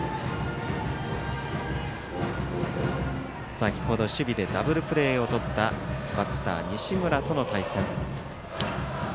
先ほど守備でダブルプレーをとったバッター、西村との対戦。